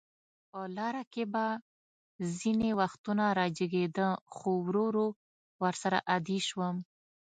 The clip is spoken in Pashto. په لاره کې به ځینې وختونه راجګېده، خو ورو ورو ورسره عادي شوم.